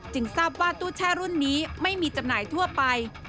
ทราบว่าตู้แช่รุ่นนี้ไม่มีจำหน่ายทั่วไป